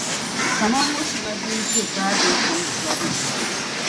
kaman mo’ shɛŋa din ʒe baa din kom zɔri ni la.